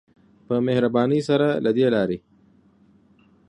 په مهربانی سره له دی لاری.